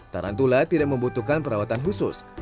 tarantula tidak membutuhkan perawatan khusus